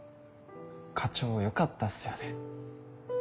課長よかったっすよね。